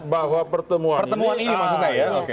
bahwa pertemuan ini maksudnya ya